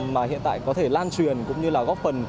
mà hiện tại có thể lan truyền cũng như là góp phần